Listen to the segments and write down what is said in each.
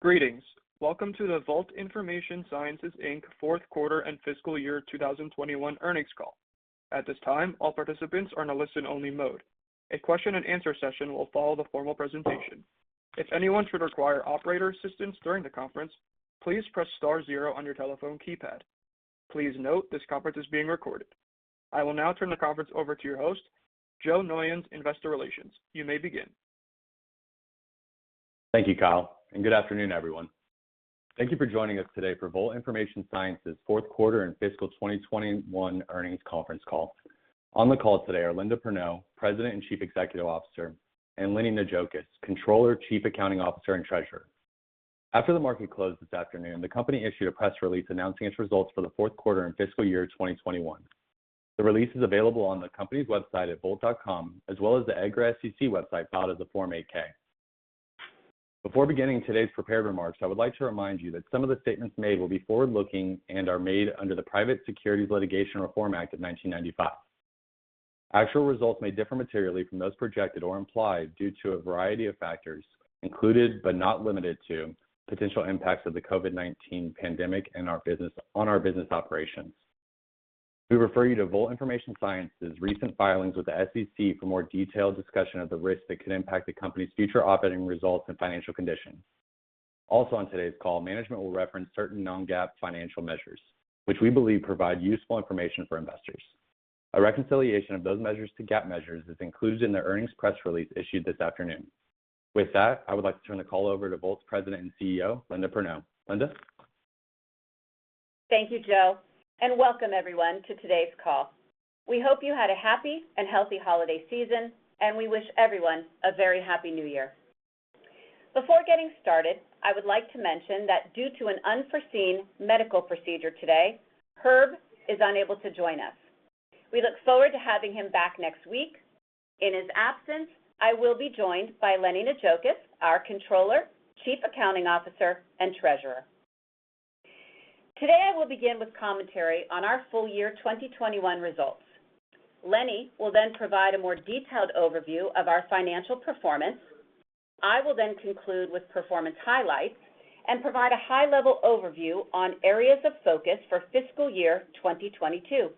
Greetings. Welcome to the Volt Information Sciences, Inc. fourth quarter and fiscal year 2021 earnings call. At this time, all participants are in a listen only mode. A question and answer session will follow the formal presentation. If anyone should require operator assistance during the conference, please press star 0 on your telephone keypad. Please note this conference is being recorded. I will now turn the conference over to your host, Joe Noyons, Investor Relations. You may begin. Thank you, Kyle, and good afternoon, everyone. Thank you for joining us today for Volt Information Sciences fourth quarter and fiscal 2021 earnings conference call. On the call today are Linda Perneau, President and Chief Executive Officer, and Lenny Naujokas, Controller, Chief Accounting Officer, and Treasurer. After the market closed this afternoon, the company issued a press release announcing its results for the fourth quarter and fiscal year 2021. The release is available on the company's website at volt.com, as well as the EDGAR SEC website filed as a Form 8-K. Before beginning today's prepared remarks, I would like to remind you that some of the statements made will be forward-looking and are made under the Private Securities Litigation Reform Act of 1995. Actual results may differ materially from those projected or implied due to a variety of factors, including but not limited to potential impacts of the COVID-19 pandemic on our business operations. We refer you to Volt Information Sciences' recent filings with the SEC for more detailed discussion of the risks that could impact the company's future operating results and financial condition. Also on today's call, management will reference certain non-GAAP financial measures, which we believe provide useful information for investors. A reconciliation of those measures to GAAP measures is included in the earnings press release issued this afternoon. With that, I would like to turn the call over to Volt's President and CEO, Linda Perneau. Linda? Thank you, Joe, and welcome everyone to today's call. We hope you had a happy and healthy holiday season, and we wish everyone a very happy new year. Before getting started, I would like to mention that due to an unforeseen medical procedure today, Herb is unable to join us. We look forward to having him back next week. In his absence, I will be joined by Lenny Naujokas, our Controller, Chief Accounting Officer, and Treasurer. Today, I will begin with commentary on our full year 2021 results. Lenny will then provide a more detailed overview of our financial performance. I will then conclude with performance highlights and provide a high-level overview on areas of focus for fiscal year 2022.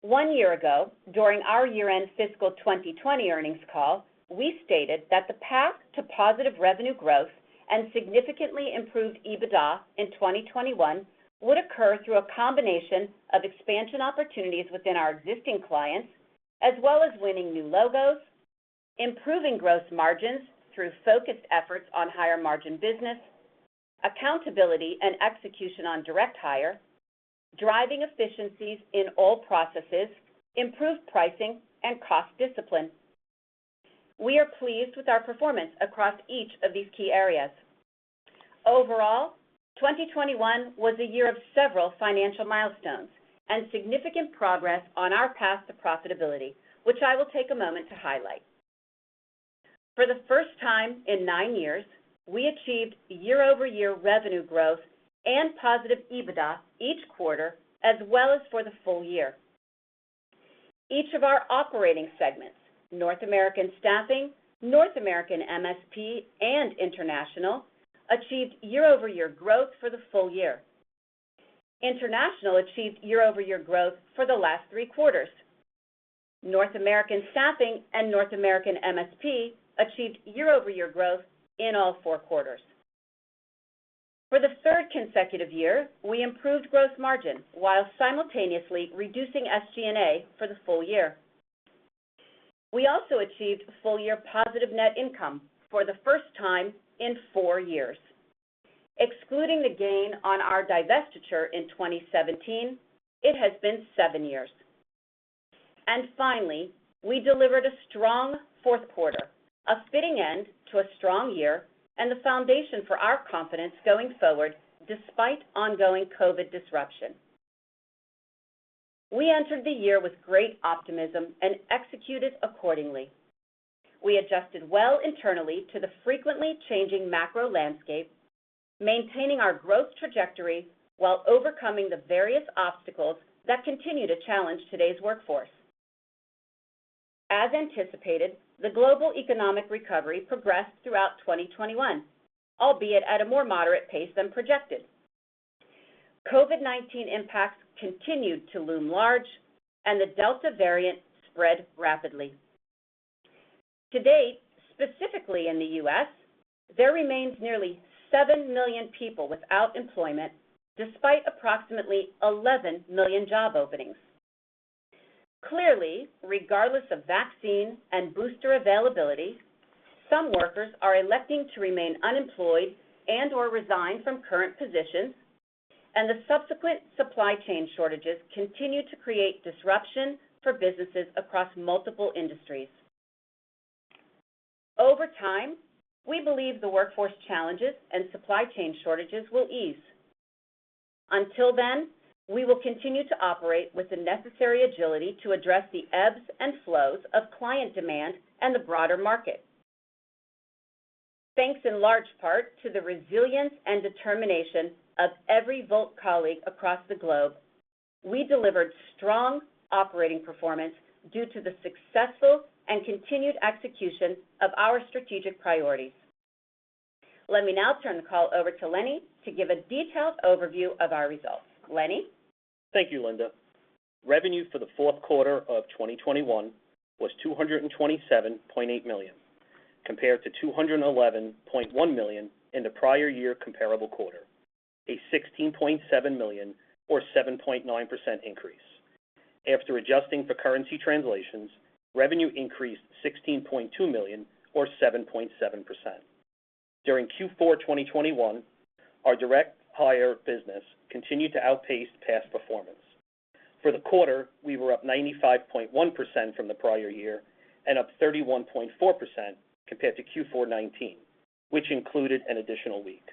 One year ago, during our year-end fiscal 2020 earnings call, we stated that the path to positive revenue growth and significantly improved EBITDA in 2021 would occur through a combination of expansion opportunities within our existing clients, as well as winning new logos, improving gross margins through focused efforts on higher-margin business, accountability and execution on direct hire, driving efficiencies in all processes, improved pricing, and cost discipline. We are pleased with our performance across each of these key areas. Overall, 2021 was a year of several financial milestones and significant progress on our path to profitability, which I will take a moment to highlight. For the first time in nine years, we achieved year-over-year revenue growth and positive EBITDA each quarter as well as for the full year. Each of our operating segments, North American Staffing, North American MSP, and International, achieved year-over-year growth for the full year. International achieved year-over-year growth for the last three quarters. North American Staffing and North American MSP achieved year-over-year growth in all four quarters. For the third consecutive year, we improved gross margin while simultaneously reducing SG&A for the full year. We also achieved full-year positive net income for the first time in four years. Excluding the gain on our divestiture in 2017, it has been seven years. Finally, we delivered a strong fourth quarter, a fitting end to a strong year and the foundation for our confidence going forward despite ongoing COVID disruption. We entered the year with great optimism and executed accordingly. We adjusted well internally to the frequently changing macro landscape, maintaining our growth trajectory while overcoming the various obstacles that continue to challenge today's workforce. As anticipated, the global economic recovery progressed throughout 2021, albeit at a more moderate pace than projected. COVID-19 impacts continued to loom large and the Delta variant spread rapidly. To date, specifically in the U.S., there remains nearly 7 million people without employment despite approximately 11 million job openings. Clearly, regardless of vaccine and booster availability, some workers are electing to remain unemployed and/or resign from current positions, and the subsequent supply chain shortages continue to create disruption for businesses across multiple industries. Over time, we believe the workforce challenges and supply chain shortages will ease. Until then, we will continue to operate with the necessary agility to address the ebbs and flows of client demand and the broader market. Thanks in large part to the resilience and determination of every Volt colleague across the globe. We delivered strong operating performance due to the successful and continued execution of our strategic priorities. Let me now turn the call over to Lenny to give a detailed overview of our results. Lenny? Thank you, Linda. Revenue for the fourth quarter of 2021 was $227.8 million, compared to $211.1 million in the prior year comparable quarter, a $16.7 million or 7.9% increase. After adjusting for currency translations, revenue increased $16.2 million or 7.7%. During Q4 2021, our direct hire business continued to outpace past performance. For the quarter, we were up 95.1% from the prior year and up 31.4% compared to Q4 2019, which included an additional week.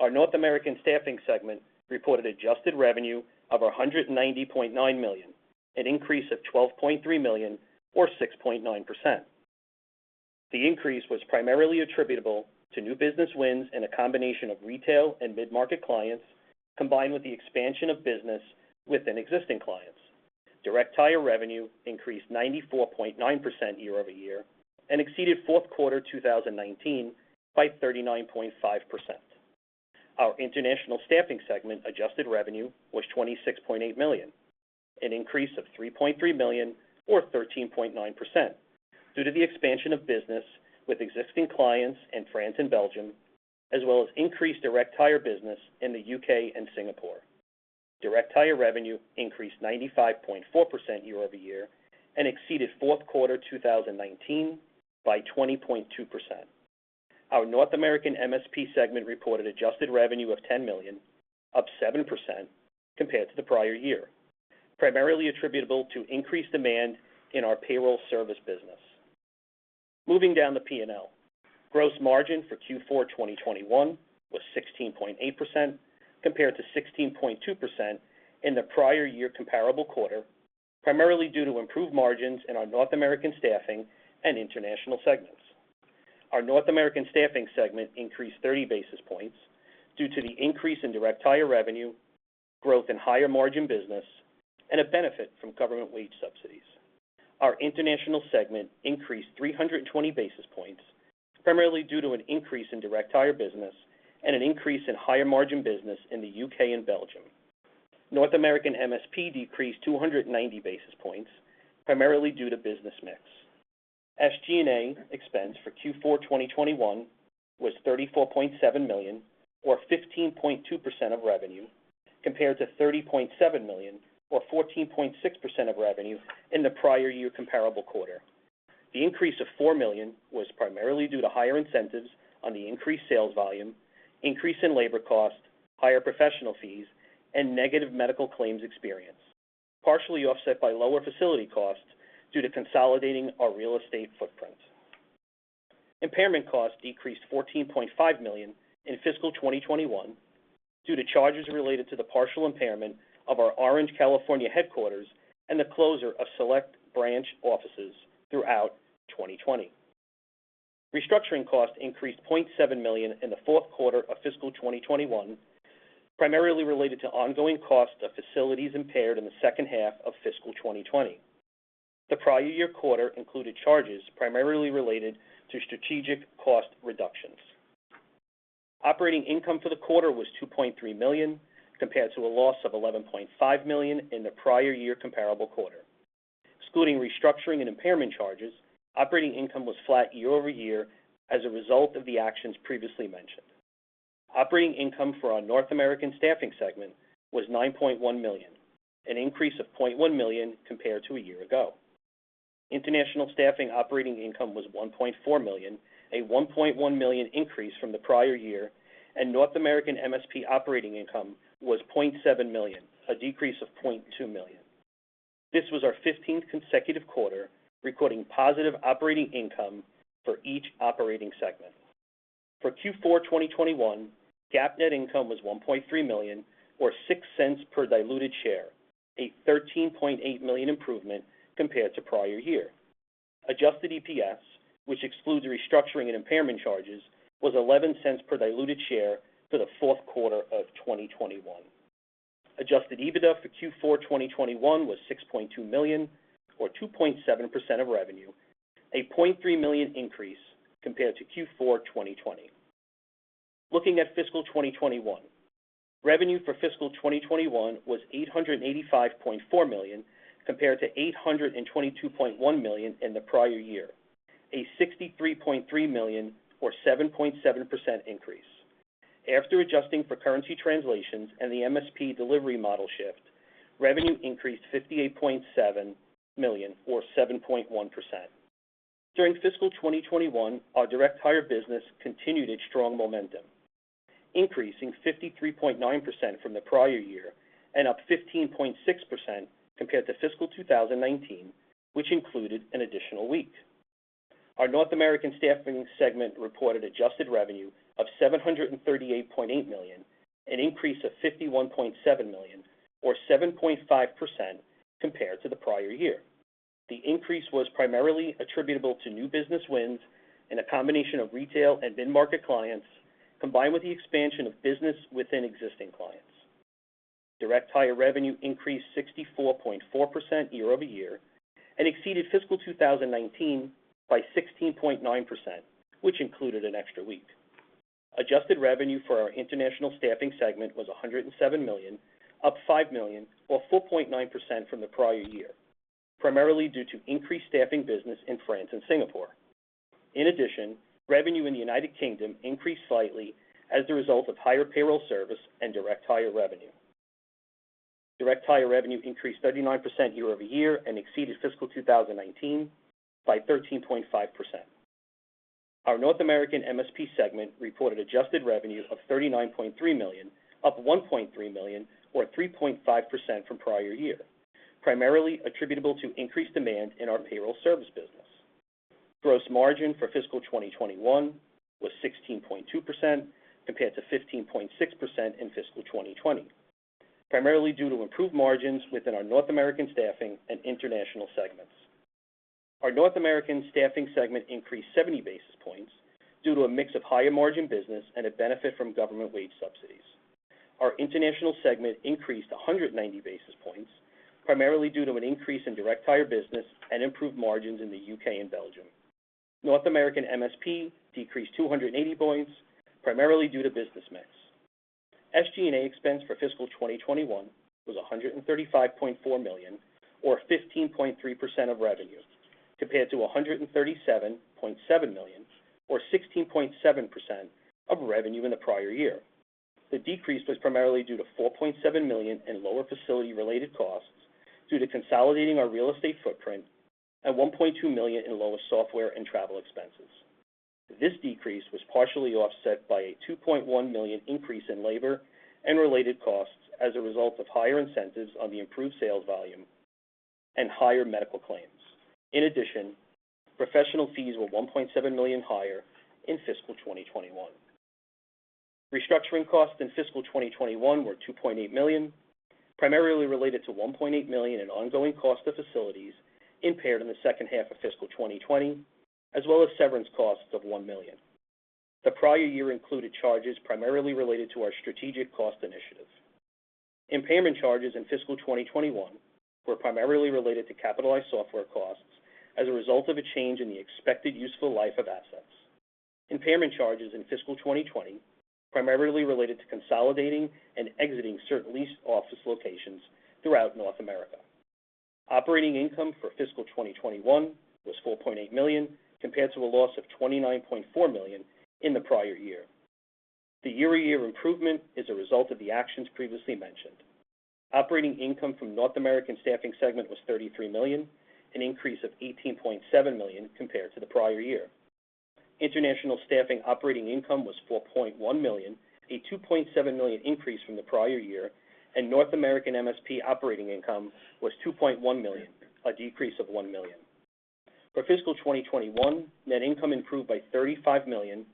Our North American Staffing segment reported adjusted revenue of $190.9 million, an increase of $12.3 million or 6.9%. The increase was primarily attributable to new business wins in a combination of retail and mid-market clients, combined with the expansion of business within existing clients. Direct hire revenue increased 94.9% year-over-year and exceeded fourth quarter 2019 by 39.5%. Our International Staffing segment adjusted revenue was $26.8 million, an increase of $3.3 million or 13.9% due to the expansion of business with existing clients in France and Belgium, as well as increased direct hire business in the U.K. and Singapore. Direct hire revenue increased 95.4% year-over-year and exceeded fourth quarter 2019 by 20.2%. Our North American MSP segment reported adjusted revenue of $10 million, up 7% compared to the prior year, primarily attributable to increased demand in our payroll service business. Moving down the P&L. Gross margin for Q4 2021 was 16.8% compared to 16.2% in the prior year comparable quarter, primarily due to improved margins in our North American Staffing and International segments. Our North American Staffing segment increased 30 basis points due to the increase in direct hire revenue, growth in higher margin business, and a benefit from government wage subsidies. Our International segment increased 320 basis points, primarily due to an increase in direct hire business and an increase in higher margin business in the U.K. and Belgium. North American MSP decreased 290 basis points, primarily due to business mix. SG&A expense for Q4 2021 was $34.7 million or 15.2% of revenue, compared to $30.7 million or 14.6% of revenue in the prior year comparable quarter. The increase of $4 million was primarily due to higher incentives on the increased sales volume, increase in labor cost, higher professional fees, and negative medical claims experience, partially offset by lower facility costs due to consolidating our real estate footprint. Impairment costs decreased $14.5 million in fiscal 2021 due to charges related to the partial impairment of our Orange, California headquarters and the closure of select branch offices throughout 2020. Restructuring costs increased $0.7 million in the fourth quarter of fiscal 2021, primarily related to ongoing costs of facilities impaired in the second half of fiscal 2020. The prior year quarter included charges primarily related to strategic cost reductions. Operating income for the quarter was $2.3 million, compared to a loss of $11.5 million in the prior year comparable quarter. Excluding restructuring and impairment charges, operating income was flat year-over-year as a result of the actions previously mentioned. Operating income for our North American Staffing segment was $9.1 million, an increase of $0.1 million compared to a year ago. International Staffing operating income was $1.4 million, a $1.1 million increase from the prior year, and North American MSP operating income was $0.7 million, a decrease of $0.2 million. This was our 15th consecutive quarter recording positive operating income for each operating segment. For Q4 2021, GAAP net income was $1.3 million or $0.06 per diluted share, a $13.8 million improvement compared to prior year. Adjusted EPS, which excludes restructuring and impairment charges, was $0.11 per diluted share for the fourth quarter of 2021. Adjusted EBITDA for Q4 2021 was $6.2 million or 2.7% of revenue, a $0.3 million increase compared to Q4 2020. Looking at fiscal 2021. Revenue for fiscal 2021 was $885.4 million, compared to $822.1 million in the prior year, a $63.3 million or 7.7% increase. After adjusting for currency translations and the MSP delivery model shift, revenue increased $58.7 million or 7.1%. During fiscal 2021, our direct hire business continued its strong momentum, increasing 53.9% from the prior year and up 15.6% compared to fiscal 2019, which included an additional week. Our North American Staffing segment reported adjusted revenue of $738.8 million, an increase of $51.7 million or 7.5% compared to the prior year. The increase was primarily attributable to new business wins in a combination of retail and mid-market clients, combined with the expansion of business within existing clients. Direct hire revenue increased 64.4% year-over-year and exceeded fiscal 2019 by 16.9%, which included an extra week. Adjusted revenue for our International Staffing segment was $107 million, up $5 million or 4.9% from the prior year, primarily due to increased staffing business in France and Singapore. In addition, revenue in the United Kingdom increased slightly as a result of higher payroll service and direct hire revenue. Direct hire revenue increased 39% year over year and exceeded fiscal 2019 by 13.5%. Our North American MSP segment reported adjusted revenue of $39.3 million, up $1.3 million or 3.5% from prior year, primarily attributable to increased demand in our payroll service business. Gross margin for fiscal 2021 was 16.2% compared to 15.6% in fiscal 2020, primarily due to improved margins within our North American Staffing and International segments. Our North American Staffing segment increased 70 basis points due to a mix of higher margin business and a benefit from government wage subsidies. Our International segment increased 190 basis points, primarily due to an increase in direct hire business and improved margins in the U.K. and Belgium. North American MSP decreased 280 points, primarily due to business mix. SG&A expense for fiscal 2021 was $135.4 million or 15.3% of revenue, compared to $137.7 million or 16.7% of revenue in the prior year. The decrease was primarily due to $4.7 million in lower facility-related costs due to consolidating our real estate footprint and $1.2 million in lower software and travel expenses. This decrease was partially offset by a $2.1 million increase in labor and related costs as a result of higher incentives on the improved sales volume and higher medical claims. In addition, professional fees were $1.7 million higher in fiscal 2021. Restructuring costs in fiscal 2021 were $2.8 million, primarily related to $1.8 million in ongoing cost of facilities impaired in the second half of fiscal 2020, as well as severance costs of $1 million. The prior year included charges primarily related to our strategic cost initiatives. Impairment charges in fiscal 2021 were primarily related to capitalized software costs as a result of a change in the expected useful life of assets. Impairment charges in fiscal 2020 primarily related to consolidating and exiting certain leased office locations throughout North America. Operating income for fiscal 2021 was $4.8 million, compared to a loss of $29.4 million in the prior year. The year-over-year improvement is a result of the actions previously mentioned. Operating income from North American Staffing segment was $33 million, an increase of $18.7 million compared to the prior year. International Staffing operating income was $4.1 million, a $2.7 million increase from the prior year, and North American MSP operating income was $2.1 million, a decrease of $1 million. For fiscal 2021, net income improved by $35 million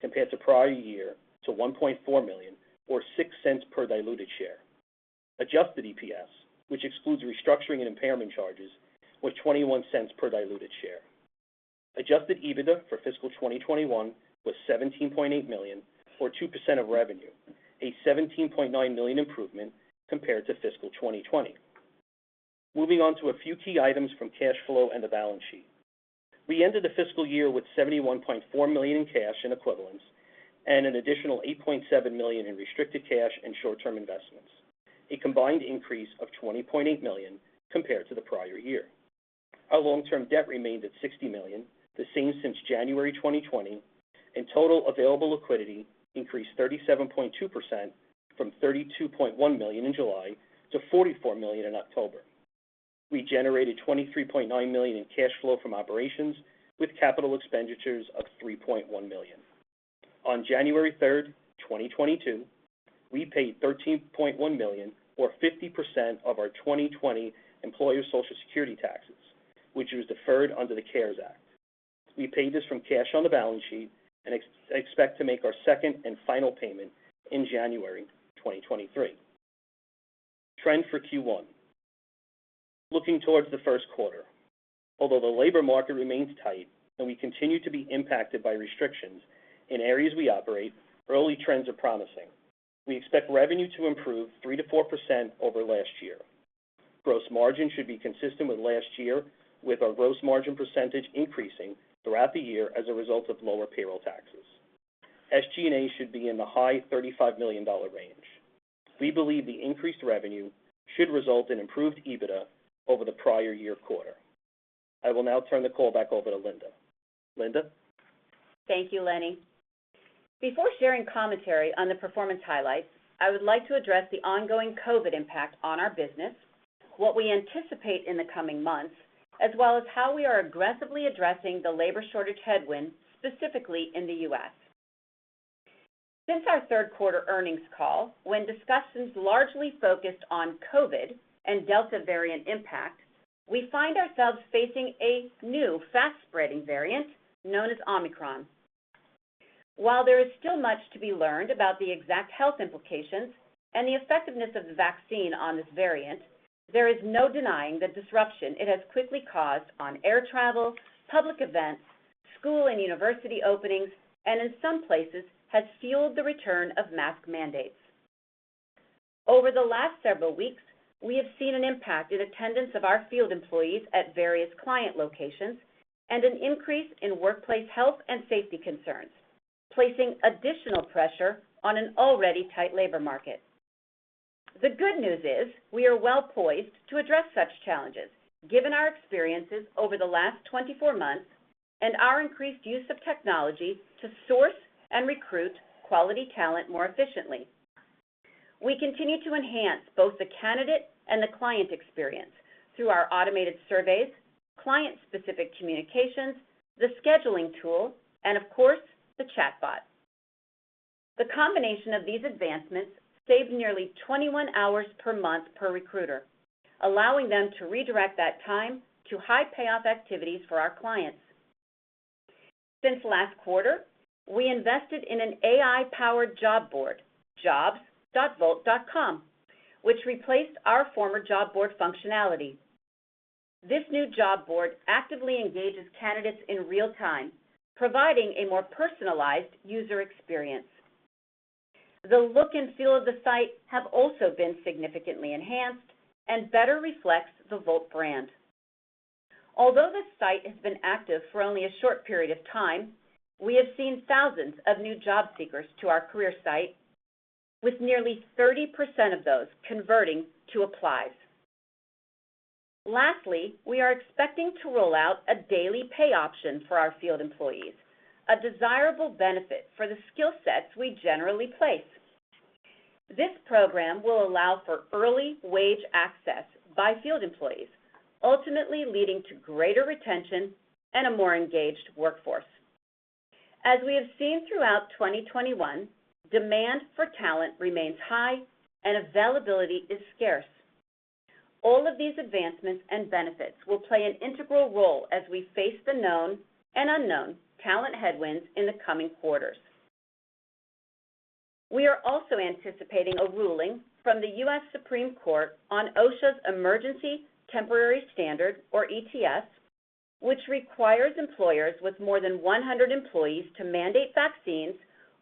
compared to prior year to $1.4 million or $0.06 per diluted share. Adjusted EPS, which excludes restructuring and impairment charges, was $0.21 per diluted share. Adjusted EBITDA for fiscal 2021 was $17.8 million or 2% of revenue, a $17.9 million improvement compared to fiscal 2020. Moving on to a few key items from cash flow and the balance sheet. We ended the fiscal year with $71.4 million in cash and equivalents and an additional $8.7 million in restricted cash and short-term investments, a combined increase of $20.8 million compared to the prior year. Our long-term debt remained at $60 million, the same since January 2020, and total available liquidity increased 37.2% from $32.1 million in July to $44 million in October. We generated $23.9 million in cash flow from operations with capital expenditures of $3.1 million. On January 3, 2022, we paid $13.1 million or 50% of our 2020 employer Social Security taxes, which was deferred under the CARES Act. We paid this from cash on the balance sheet and expect to make our second and final payment in January 2023. Trend for Q1. Looking towards the first quarter, although the labor market remains tight and we continue to be impacted by restrictions in areas we operate, early trends are promising. We expect revenue to improve 3%-4% over last year. Gross margin should be consistent with last year, with our gross margin percentage increasing throughout the year as a result of lower payroll taxes. SG&A should be in the high $35 million range. We believe the increased revenue should result in improved EBITDA over the prior year quarter. I will now turn the call back over to Linda. Linda? Thank you, Lenny. Before sharing commentary on the performance highlights, I would like to address the ongoing COVID impact on our business, what we anticipate in the coming months, as well as how we are aggressively addressing the labor shortage headwind, specifically in the U.S. Since our third quarter earnings call, when discussions largely focused on COVID and Delta variant impact, we find ourselves facing a new fast-spreading variant known as Omicron. While there is still much to be learned about the exact health implications and the effectiveness of the vaccine on this variant, there is no denying the disruption it has quickly caused on air travel, public events, school and university openings, and in some places has fueled the return of mask mandates. Over the last several weeks, we have seen an impact in attendance of our field employees at various client locations and an increase in workplace health and safety concerns, placing additional pressure on an already tight labor market. The good news is we are well-poised to address such challenges, given our experiences over the last 24 months and our increased use of technology to source and recruit quality talent more efficiently. We continue to enhance both the candidate and the client experience through our automated surveys, client-specific communications, the scheduling tool, and of course, the chatbot. The combination of these advancements saved nearly 21 hours per month per recruiter, allowing them to redirect that time to high-payoff activities for our clients. Since last quarter, we invested in an AI-powered job board, jobs.volt.com, which replaced our former job board functionality. This new job board actively engages candidates in real time, providing a more personalized user experience. The look and feel of the site have also been significantly enhanced and better reflects the Volt brand. Although the site has been active for only a short period of time, we have seen thousands of new job seekers to our career site, with nearly 30% of those converting to applies. Lastly, we are expecting to roll out a daily pay option for our field employees, a desirable benefit for the skill sets we generally place. This program will allow for early wage access by field employees, ultimately leading to greater retention and a more engaged workforce. As we have seen throughout 2021, demand for talent remains high and availability is scarce. All of these advancements and benefits will play an integral role as we face the known and unknown talent headwinds in the coming quarters. We are also anticipating a ruling from the US Supreme Court on OSHA's Emergency Temporary Standard or ETS, which requires employers with more than 100 employees to mandate vaccines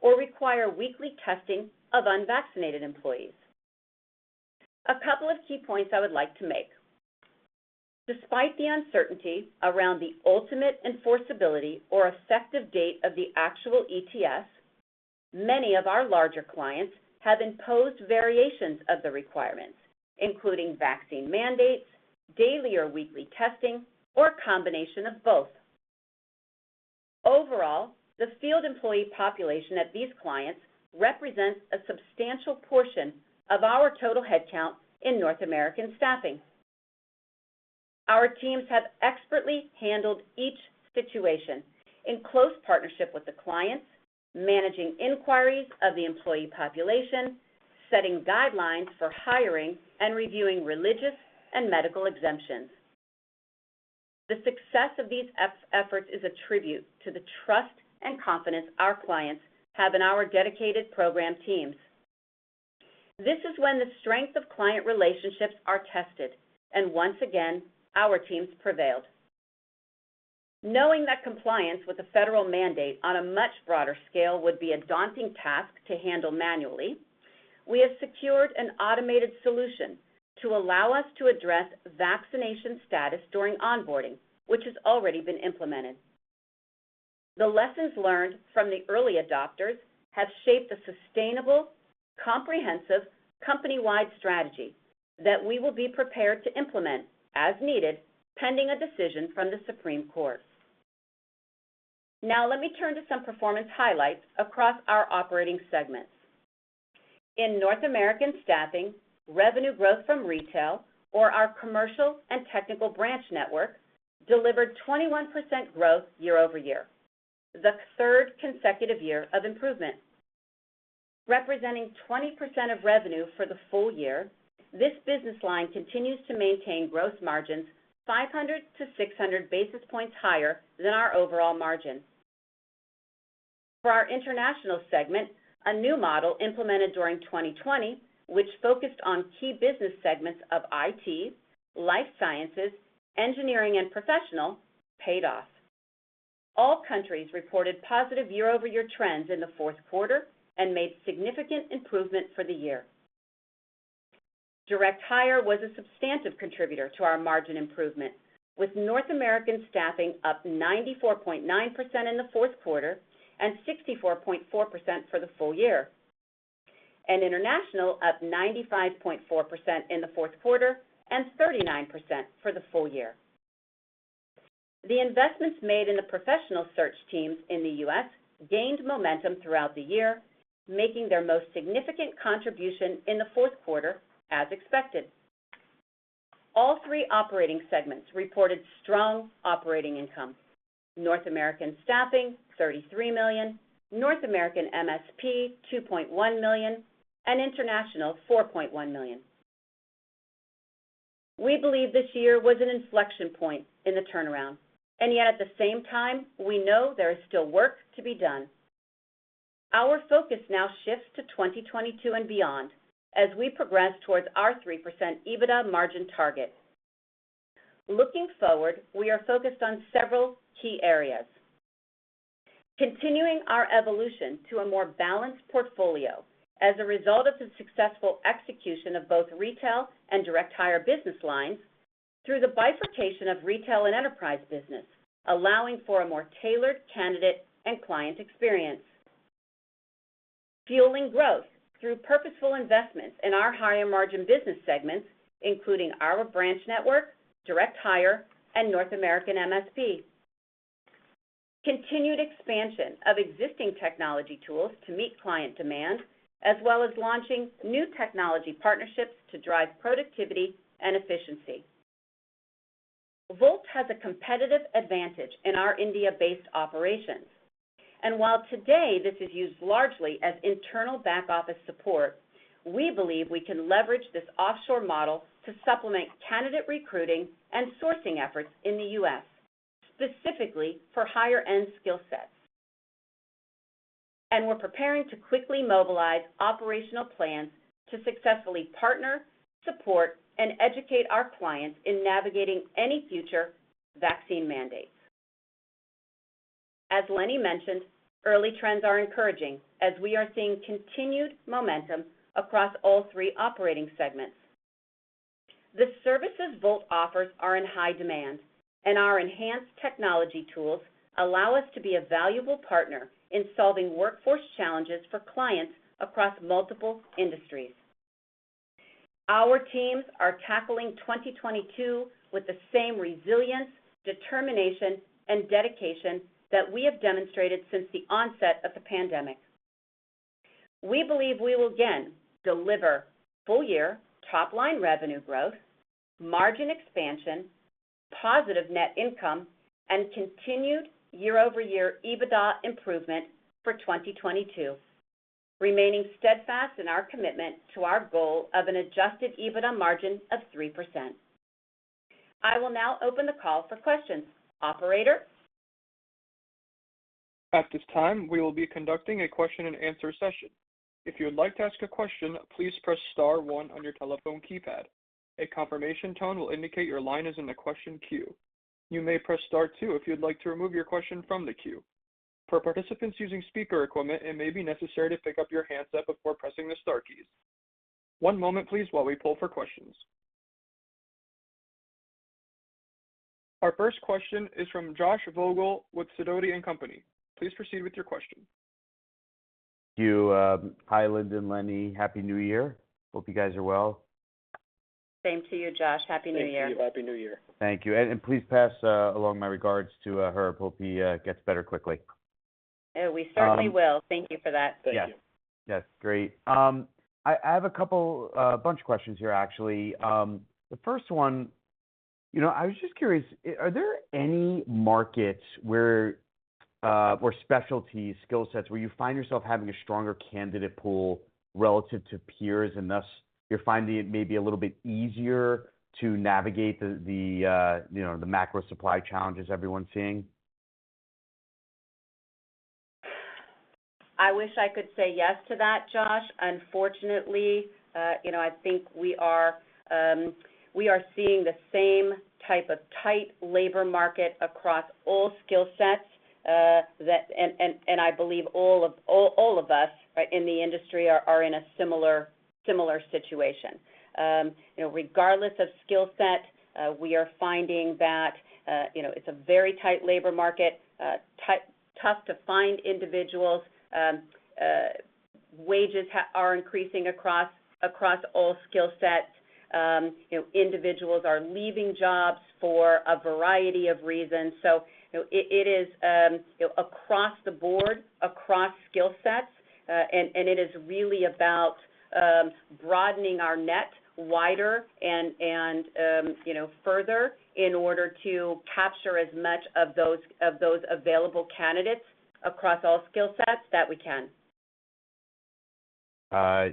or require weekly testing of unvaccinated employees. A couple of key points I would like to make. Despite the uncertainty around the ultimate enforceability or effective date of the actual ETS, many of our larger clients have imposed variations of the requirements, including vaccine mandates, daily or weekly testing, or a combination of both. Overall, the field employee population at these clients represents a substantial portion of our total headcount in North American Staffing. Our teams have expertly handled each situation in close partnership with the clients, managing inquiries of the employee population, setting guidelines for hiring, and reviewing religious and medical exemptions. The success of these efforts is a tribute to the trust and confidence our clients have in our dedicated program teams. This is when the strength of client relationships are tested, and once again, our teams prevailed. Knowing that compliance with a federal mandate on a much broader scale would be a daunting task to handle manually, we have secured an automated solution to allow us to address vaccination status during onboarding, which has already been implemented. The lessons learned from the early adopters have shaped a sustainable, comprehensive, company-wide strategy that we will be prepared to implement as needed, pending a decision from the Supreme Court. Now let me turn to some performance highlights across our operating segments. In North American Staffing, revenue growth from retail or our commercial and technical branch network delivered 21% growth year-over-year, the third consecutive year of improvement. Representing 20% of revenue for the full year, this business line continues to maintain gross margins 500-600 basis points higher than our overall margin. For our International segment, a new model implemented during 2020, which focused on key business segments of IT, life sciences, engineering, and professional, paid off. All countries reported positive year-over-year trends in the fourth quarter and made significant improvement for the year. Direct hire was a substantive contributor to our margin improvement, with North American Staffing up 94.9% in the fourth quarter and 64.4% for the full year, and International up 95.4% in the fourth quarter and 39% for the full year. The investments made in the professional search teams in the U.S. gained momentum throughout the year, making their most significant contribution in the fourth quarter as expected. All three operating segments reported strong operating income. North American Staffing, $33 million, North American MSP, $2.1 million, and International, $4.1 million. We believe this year was an inflection point in the turnaround. Yet at the same time, we know there is still work to be done. Our focus now shifts to 2022 and beyond as we progress towards our 3% EBITDA margin target. Looking forward, we are focused on several key areas. Continuing our evolution to a more balanced portfolio as a result of the successful execution of both retail and direct hire business lines through the bifurcation of retail and enterprise business, allowing for a more tailored candidate and client experience. Fueling growth through purposeful investments in our higher margin business segments, including our branch network, direct hire, and North American MSP. Continued expansion of existing technology tools to meet client demand, as well as launching new technology partnerships to drive productivity and efficiency. Volt has a competitive advantage in our India-based operations. While today this is used largely as internal back office support, we believe we can leverage this offshore model to supplement candidate recruiting and sourcing efforts in the U.S., specifically for higher-end skill sets. We're preparing to quickly mobilize operational plans to successfully partner, support, and educate our clients in navigating any future vaccine mandates. As Lenny mentioned, early trends are encouraging as we are seeing continued momentum across all three operating segments. The services Volt offers are in high demand, and our enhanced technology tools allow us to be a valuable partner in solving workforce challenges for clients across multiple industries. Our teams are tackling 2022 with the same resilience, determination, and dedication that we have demonstrated since the onset of the pandemic. We believe we will again deliver full year top line revenue growth, margin expansion, positive net income, and continued year-over-year EBITDA improvement for 2022, remaining steadfast in our commitment to our goal of an adjusted EBITDA margin of 3%. I will now open the call for questions. Operator? At this time, we will be conducting a question and answer session. If you would like to ask a question, please press star 1 on your telephone keypad. A confirmation tone will indicate your line is in the question queue. You may press star 2 if you'd like to remove your question from the queue. For participants using speaker equipment, it may be necessary to pick up your handset before pressing the star keys. One moment please while we pull for questions. Our first question is from Josh Vogel with Sidoti & Company. Please proceed with your question. Thank you, hi, Linda and Lenny. Happy New Year. Hope you guys are well. Same to you, Josh. Happy New Year. Thank you. Happy New Year. Thank you. Please pass along my regards to Herb. I hope he gets better quickly. Oh, we certainly will. Thank you for that. Thank you. Yes. Yes. Great. I have a couple, a bunch of questions here, actually. The first one, you know, I was just curious, are there any markets where or specialty skill sets where you find yourself having a stronger candidate pool relative to peers, and thus you're finding it may be a little bit easier to navigate the you know, the macro supply challenges everyone's seeing? I wish I could say yes to that, Josh. Unfortunately, you know, I think we are seeing the same type of tight labor market across all skill sets that I believe all of us, in the industry are in a similar situation. You know, regardless of skill set, we are finding that, you know, it's a very tight labor market, tough to find individuals. Wages are increasing across all skill sets. You know, individuals are leaving jobs for a variety of reasons. You know, it is you know across the board across skill sets and it is really about broadening our net wider and you know further in order to capture as much of those available candidates across all skill sets that we can.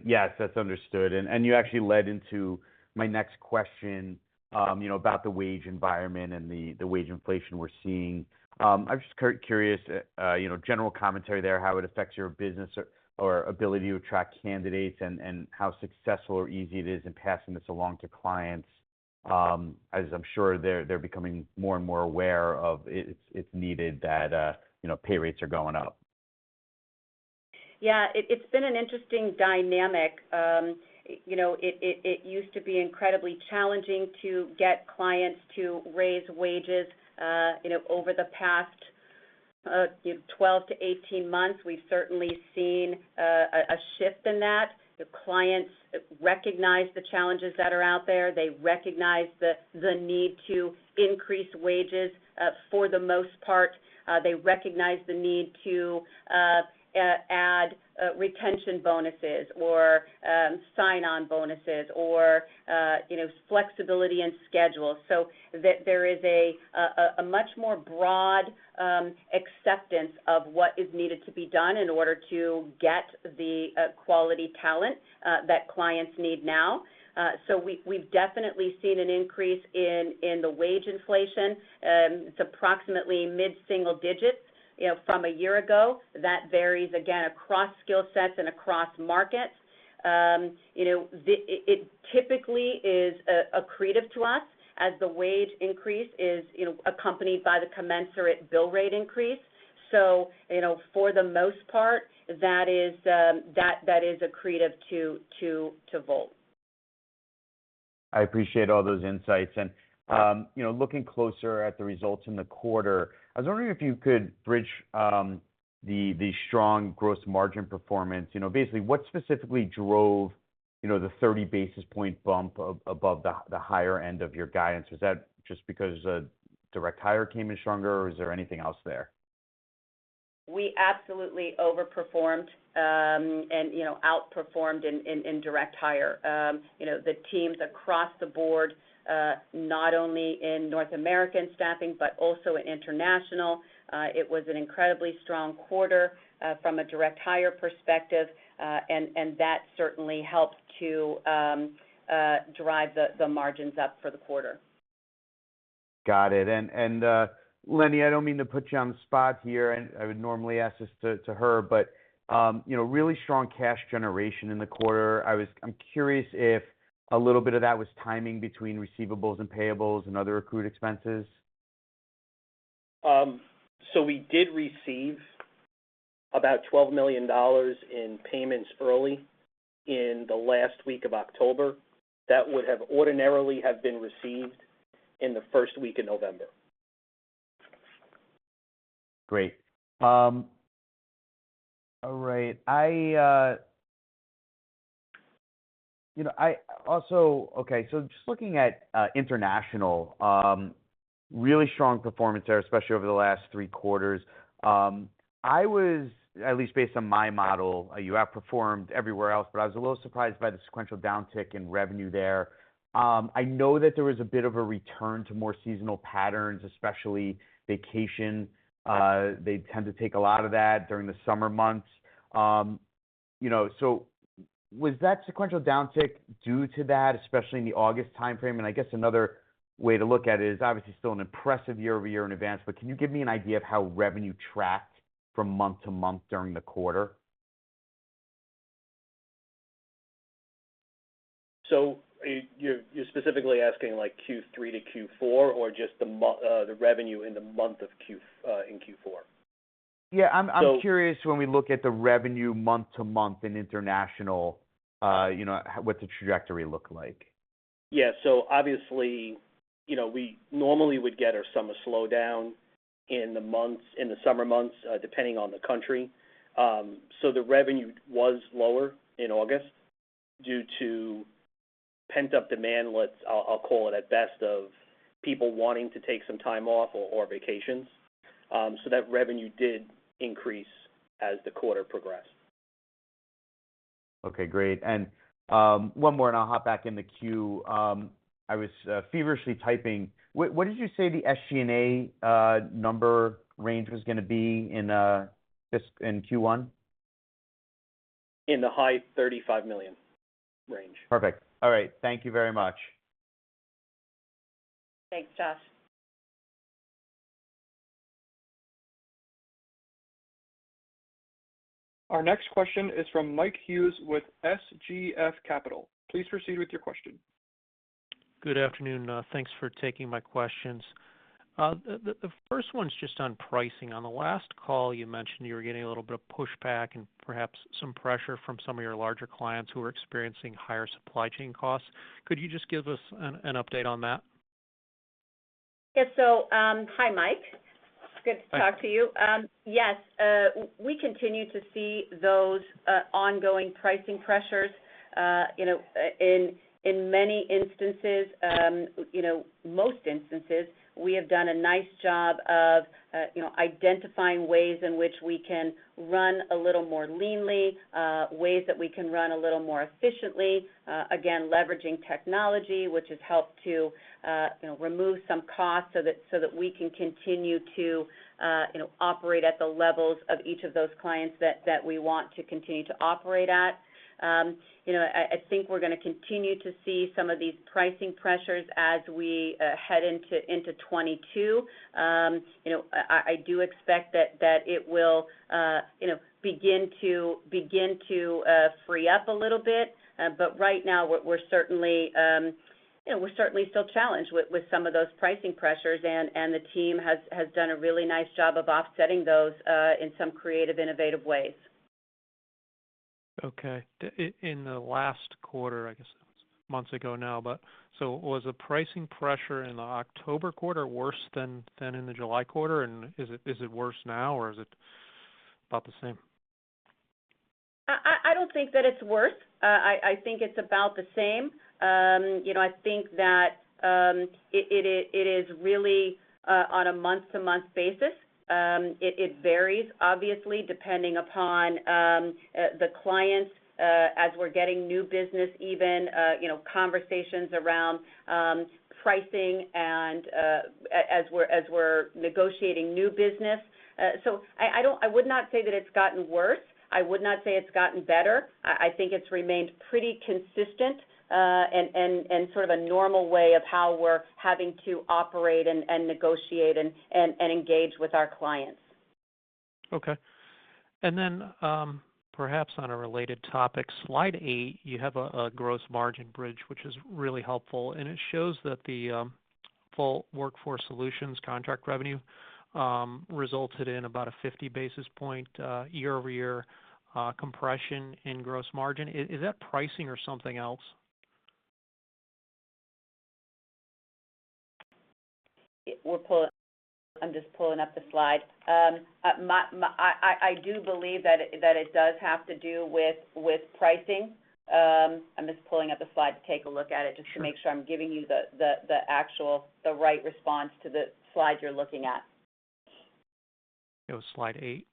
Yes, that's understood. You actually led into my next question, you know, about the wage environment and the wage inflation we're seeing. I'm just curious, you know, general commentary there, how it affects your business or ability to attract candidates and how successful or easy it is in passing this along to clients, as I'm sure they're becoming more and more aware that it's needed, you know, pay rates are going up. Yeah. It's been an interesting dynamic. You know, it used to be incredibly challenging to get clients to raise wages. You know, over the past 12-18 months, we've certainly seen a shift in that. The clients recognize the challenges that are out there. They recognize the need to increase wages. For the most part, they recognize the need to add retention bonuses or sign-on bonuses or, you know, flexibility in schedule. There is a much more broad acceptance of what is needed to be done in order to get the quality talent that clients need now. We've definitely seen an increase in the wage inflation. It's approximately mid-single digits. You know, from a year ago, that varies again across skill sets and across markets. You know, it typically is accretive to us as the wage increase is, you know, accompanied by the commensurate bill rate increase. You know, for the most part, that is accretive to Volt. I appreciate all those insights. You know, looking closer at the results in the quarter, I was wondering if you could bridge the strong gross margin performance. You know, basically, what specifically drove the 30 basis point bump above the higher end of your guidance? Is that just because direct hire came in stronger, or is there anything else there? We absolutely overperformed, and you know, outperformed in direct hire. You know, the teams across the board, not only in North American Staffing, but also in International. It was an incredibly strong quarter from a direct hire perspective. That certainly helped to drive the margins up for the quarter. Got it. Lenny, I don't mean to put you on the spot here, and I would normally ask this to her, but you know, really strong cash generation in the quarter. I'm curious if a little bit of that was timing between receivables and payables and other accrued expenses. We did receive about $12 million in payments early in the last week of October that would have ordinarily been received in the first week of November. Great. All right. You know, I also okay, so just looking at international, really strong performance there, especially over the last three quarters. I was, at least based on my model, you outperformed everywhere else, but I was a little surprised by the sequential downtick in revenue there. I know that there was a bit of a return to more seasonal patterns, especially vacation. They tend to take a lot of that during the summer months. You know, so was that sequential downtick due to that, especially in the August timeframe? I guess another way to look at it is obviously still an impressive year-over-year in advance, but can you give me an idea of how revenue tracked from month to month during the quarter? You're specifically asking like Q3 to Q4 or just the revenue in the month of Q4? Yeah. I'm curious when we look at the revenue month-to-month in international, you know, what's the trajectory look like? Yeah. Obviously, you know, we normally would get our summer slowdown in the months, in the summer months, depending on the country. The revenue was lower in August due to pent-up demand. I'll call it at best of people wanting to take some time off or vacations. That revenue did increase as the quarter progressed. Okay, great. One more and I'll hop back in the queue. I was feverishly typing. What did you say the SG&A number range was gonna be in Q1? In the high $35 million range. Perfect. All right. Thank you very much. Thanks, Josh. Our next question is from Mike Hughes withSGF Capital Management. Please proceed with your question. Good afternoon. Thanks for taking my questions. The first one's just on pricing. On the last call, you mentioned you were getting a little bit of pushback and perhaps some pressure from some of your larger clients who are experiencing higher supply chain costs. Could you just give us an update on that? Yes. Hi, Mike. Hi. Good to talk to you. Yes, we continue to see those ongoing pricing pressures. You know, in many instances, most instances, we have done a nice job of identifying ways in which we can run a little more leanly, ways that we can run a little more efficiently, again, leveraging technology, which has helped to remove some costs so that we can continue to operate at the levels of each of those clients that we want to continue to operate at. You know, I think we're gonna continue to see some of these pricing pressures as we head into 2022. You know, I do expect that it will, you know, begin to free up a little bit. Right now we're certainly, you know, still challenged with some of those pricing pressures, and the team has done a really nice job of offsetting those in some creative, innovative ways. Okay. In the last quarter, I guess that was months ago now, but so was the pricing pressure in the October quarter worse than in the July quarter, and is it worse now, or is it about the same? I don't think that it's worse. I think it's about the same. You know, I think that it is really on a month-to-month basis. It varies obviously, depending upon the clients as we're getting new business even, you know, conversations around pricing and as we're negotiating new business. I would not say that it's gotten worse. I would not say it's gotten better. I think it's remained pretty consistent and sort of a normal way of how we're having to operate and negotiate and engage with our clients. Okay. Perhaps on a related topic, slide 8, you have a gross margin bridge, which is really helpful, and it shows that the Volt Workforce Solutions contract revenue resulted in about a 50 basis point year-over-year compression in gross margin. Is that pricing or something else? I'm just pulling up the slide. I do believe that it does have to do with pricing. I'm just pulling up the slide to take a look at it just to make sure I'm giving you the actual, the right response to the slide you're looking at. It was slide 8.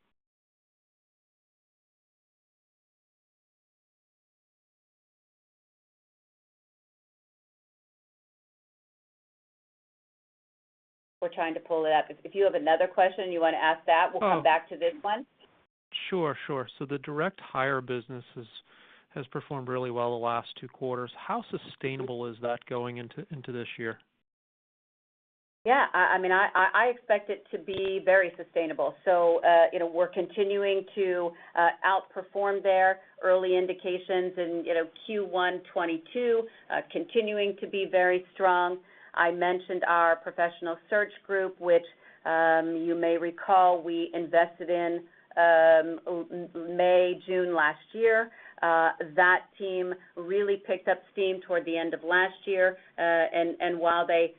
We're trying to pull it up. If you have another question and you wanna ask that, we'll come back to this one. Sure. The direct hire business has performed really well the last two quarters. How sustainable is that going into this year? Yeah. I mean, I expect it to be very sustainable. You know, we're continuing to outperform there, early indications in Q1 2022 continuing to be very strong. I mentioned our professional search group, which you may recall we invested in May, June last year. That team really picked up steam toward the end of last year. And while they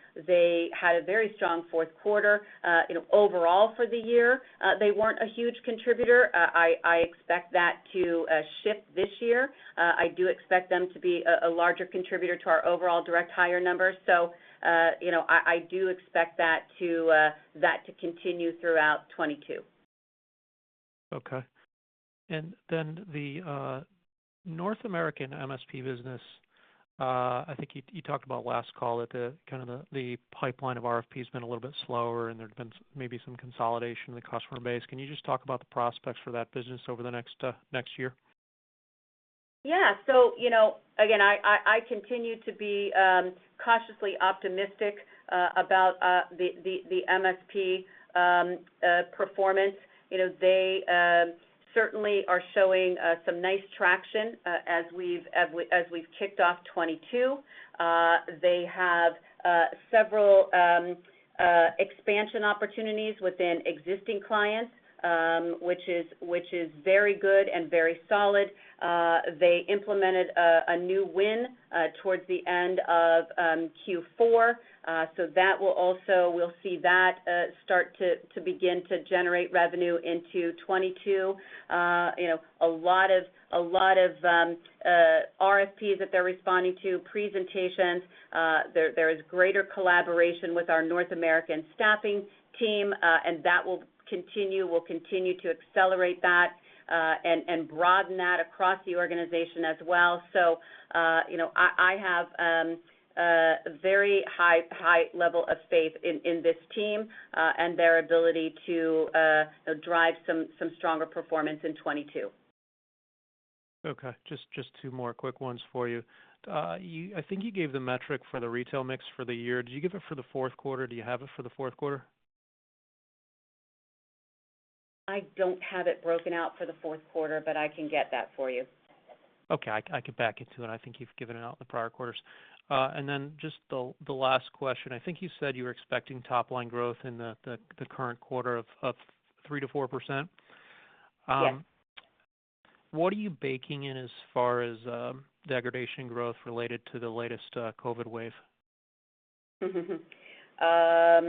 had a very strong fourth quarter, you know, overall for the year, they weren't a huge contributor. I expect that to shift this year. I do expect them to be a larger contributor to our overall direct hire numbers. So, you know, I do expect that to continue throughout 2022. Okay. Then the North American MSP business, I think you talked about last call that the kind of pipeline of RFPs been a little bit slower, and there's been maybe some consolidation in the customer base. Can you just talk about the prospects for that business over the next year? Yeah. You know, again, I continue to be cautiously optimistic about the MSP performance. You know, they certainly are showing some nice traction as we've kicked off 2022. They have several expansion opportunities within existing clients, which is very good and very solid. They implemented a new win towards the end of Q4. That will also. We'll see that start to begin to generate revenue into 2022. You know, a lot of RFPs that they're responding to, presentations. There is greater collaboration with our North American Staffing team, and that will continue. We'll continue to accelerate that and broaden that across the organization as well. I have a very high level of faith in this team and their ability to you know, drive some stronger performance in 2022. Okay. Just two more quick ones for you. I think you gave the metric for the retail mix for the year. Did you give it for the fourth quarter? Do you have it for the fourth quarter? I don't have it broken out for the fourth quarter, but I can get that for you. Okay. I could back into it. I think you've given it out in the prior quarters. Then just the last question. I think you said you were expecting top-line growth in the current quarter of 3%-4%. Yes. What are you baking in as far as, degradation growth related to the latest, COVID wave? Yeah. I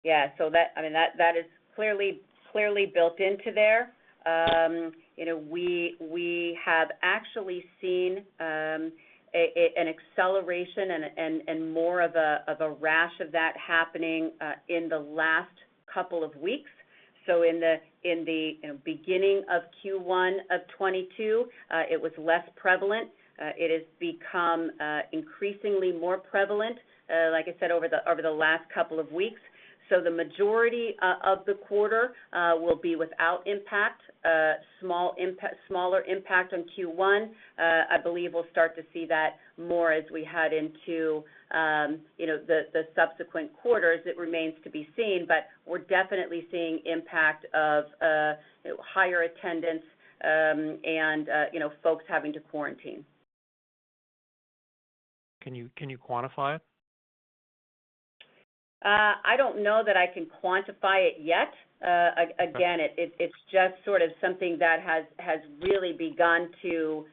mean, that is clearly built into there. You know, we have actually seen an acceleration and more of a rash of that happening in the last couple of weeks. In the you know, beginning of Q1 of 2022, it was less prevalent. It has become increasingly more prevalent, like I said, over the last couple of weeks. The majority of the quarter will be without impact. Smaller impact on Q1. I believe we'll start to see that more as we head into you know, the subsequent quarters. It remains to be seen, but we're definitely seeing impact of you know, higher attendance and you know, folks having to quarantine. Can you quantify it? I don't know that I can quantify it yet. Again, it's just sort of something that has really begun to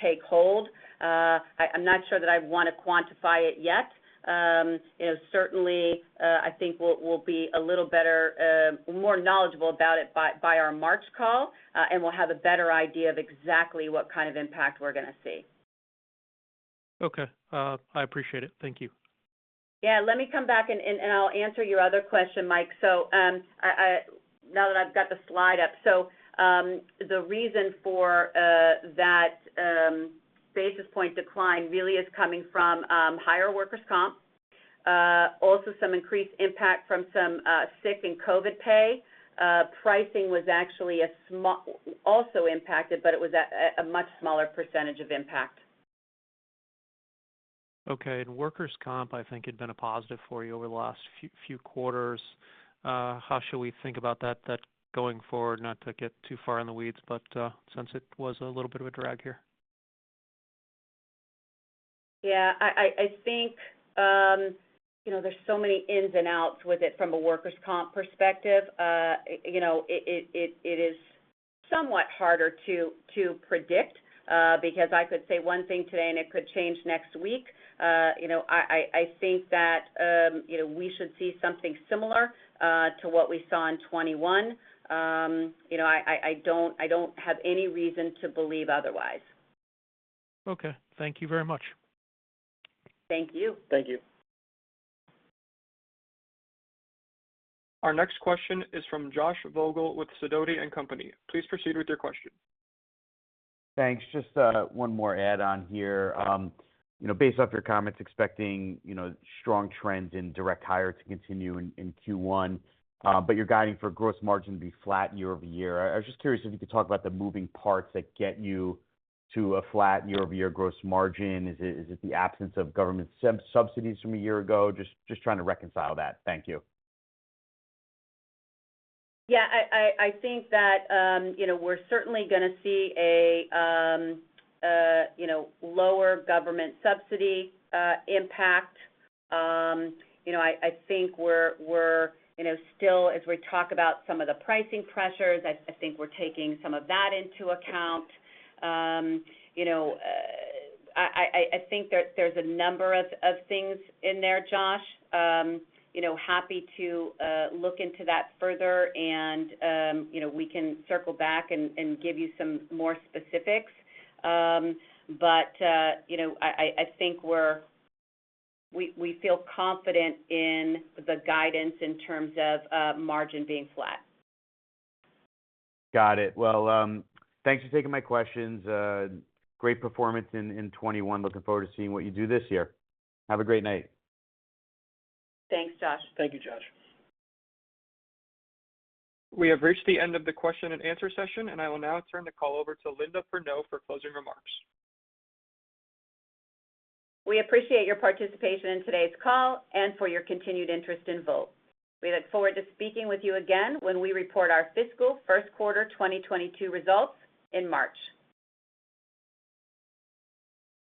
take hold. I'm not sure that I wanna quantify it yet. You know, certainly, I think we'll be a little better, more knowledgeable about it by our March call, and we'll have a better idea of exactly what kind of impact we're gonna see. Okay. I appreciate it. Thank you. Yeah. Let me come back and I'll answer your other question, Mike. Now that I've got the slide up. The reason for that basis point decline really is coming from higher workers' comp, also some increased impact from some sick and COVID pay. Pricing was actually also impacted, but it was at a much smaller percentage of impact. Okay. Workers' comp, I think, had been a positive for you over the last few quarters. How should we think about that going forward? Not to get too far in the weeds, but since it was a little bit of a drag here. Yeah. I think you know, there's so many ins and outs with it from a workers' comp perspective. You know, it is somewhat harder to predict because I could say one thing today, and it could change next week. You know, I think that you know, we should see something similar to what we saw in 2021. You know, I don't have any reason to believe otherwise. Okay. Thank you very much. Thank you. Thank you. Our next question is from Josh Vogel with Sidoti & Company. Please proceed with your question. Thanks. Just one more add-on here. You know, based off your comments expecting, you know, strong trends in direct hire to continue in Q1, but you're guiding for gross margin to be flat year-over-year. I was just curious if you could talk about the moving parts that get you to a flat year-over-year gross margin. Is it the absence of government subsidies from a year ago? Just trying to reconcile that. Thank you. Yeah. I think that, you know, we're certainly gonna see a lower government subsidy impact. You know, I think we're, you know, still as we talk about some of the pricing pressures, I think we're taking some of that into account. You know, I think there's a number of things in there, Josh. You know, happy to look into that further and, you know, we can circle back and give you some more specifics. But, you know, I think we feel confident in the guidance in terms of margin being flat. Got it. Well, thanks for taking my questions. Great performance in 2021. Looking forward to seeing what you do this year. Have a great night. Thanks, Josh. Thank you, Josh. We have reached the end of the question and answer session, and I will now turn the call over to Linda Perneau for closing remarks. We appreciate your participation in today's call and for your continued interest in Volt. We look forward to speaking with you again when we report our fiscal first quarter 2022 results in March.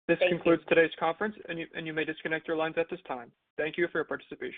Thank you. This concludes today's conference, and you may disconnect your lines at this time. Thank you for your participation.